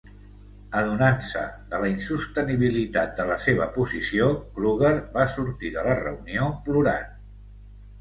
Adonant-se de la insostenibilitat de la seva posició, Kruger va sortir de la reunió plorant.